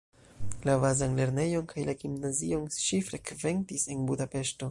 La bazan lernejon kaj la gimnazion ŝi frekventis en Budapeŝto.